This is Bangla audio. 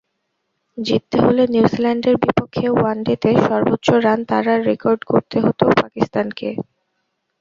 জিততে হলে নিউজিল্যান্ডের বিপক্ষে ওয়ানডেতে সর্বোচ্চ রান তাড়ার রেকর্ড গড়তে হতো পাকিস্তানকে।